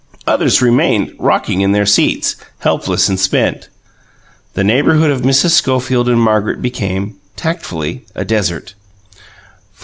Others remained, rocking in their seats, helpless and spent. The neighbourhood of Mrs. Schofield and Margaret became, tactfully, a desert.